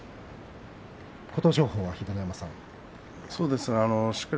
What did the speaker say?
琴勝峰は秀ノ山さん、どうですか。